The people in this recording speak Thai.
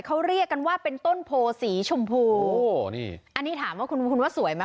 เขาเรียกกันว่าเป็นต้นโพสีชมพูโอ้นี่อันนี้ถามว่าคุณคุณว่าสวยไหม